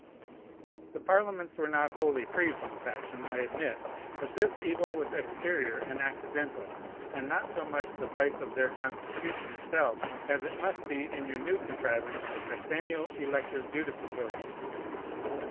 The parliaments were not wholly free from faction, I admit; but this evil was exterior and accidental, and not so much the vice of their constitution itself as it must be in your new contrivance of sexennial elective judicatories.